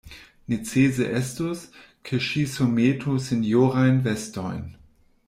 Necese estus, ke ŝi surmetu sinjorajn vestojn.